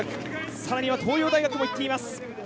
さらには東洋大学もいっています。